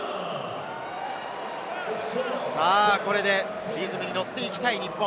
これでリズムに乗っていきたい日本。